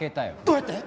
どうやって！？